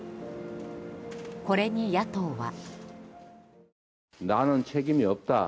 これに野党は。